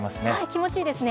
気持ちいいですね。